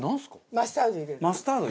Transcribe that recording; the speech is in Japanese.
マスタード入れる？